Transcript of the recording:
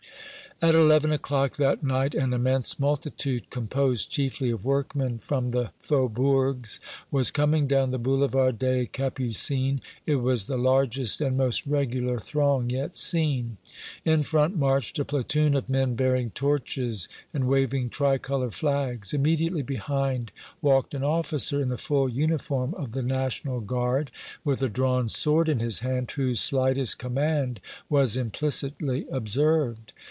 At eleven o'clock that night an immense multitude, composed chiefly of workmen from the faubourgs, was coming down the Boulevard des Capucines. It was the largest and most regular throng yet seen. In front marched a platoon of men bearing torches and waving tri color flags. Immediately behind walked an officer in the full uniform of the National Guard, with a drawn sword in his hand, whose slightest command was implicitly observed.